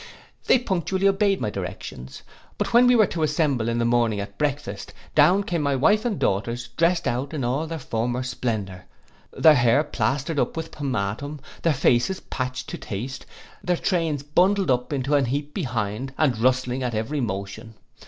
They punctually obeyed my directions; but when we were to assemble in the morning at breakfast, down came my wife and daughters, drest out in all their former splendour: their hair plaistered up with pomatum, their faces patched to taste, their trains bundled up into an heap behind, and rustling at every motion.